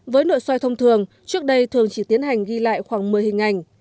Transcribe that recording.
với nội soi thông thường trước đây thường chỉ tiến hành ghi lại khoảng một mươi hình ảnh